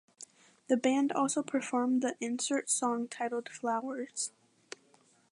The band also performed the insert song titled "Flowers".